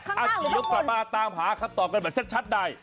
กับที่หลับมาตามหาคัตตอบกันแบบชัดได้